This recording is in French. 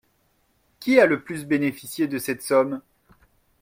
Qui a le plus bénéficié de cette somme?